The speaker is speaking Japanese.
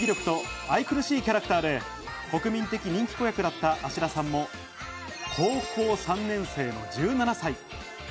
圧倒的な演技力と愛くるしいキャラクターで国民的人気子役だった芦田さんも高校３年生の１７歳。